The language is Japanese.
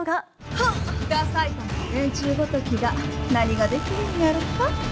ふん、ダ埼玉の連中ごときが何ができるんやろか。